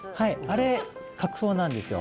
あれ角層なんですよ